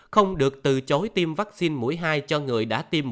không được từ chối tiêm vaccine mũi hai cho người đã bị bệnh